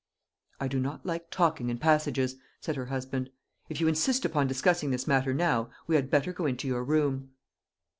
"I do not like talking in passages," said her husband; "if you insist upon discussing this matter now, we had better go into your room."